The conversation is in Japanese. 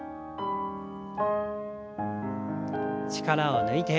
力を抜いて。